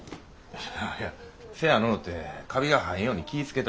いやせやのうてカビが生えんように気ぃ付けたら。